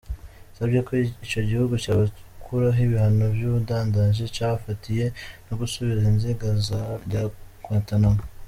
Yasavye ko ico gihugu cobakurako ibihano vy'ubudandaji cabafatiye, no gusubiza izinga rya Guantanamo.